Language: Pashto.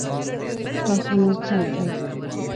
تاسو نور څه لرئ